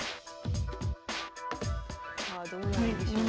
さあどうなるでしょうか。